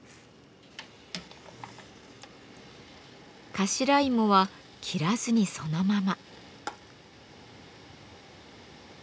頭芋は切らずにそのまま。